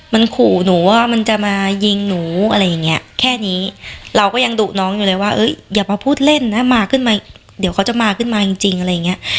มันขู่หนูว่ามันจะมายิงหนูอะไรอย่างเงี้ยแค่นี้เราก็ยังดุน้องอยู่เลยว่าอย่ามาพูดเล่นนะมาขึ้นมาเดี๋ยวเขาจะมาขึ้นมาจริงจริงอะไรอย่างเงี้ย